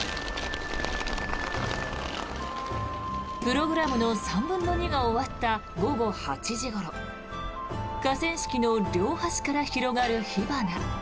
プログラムの３分の２が終わった午後８時ごろ河川敷の両端から広がる火花。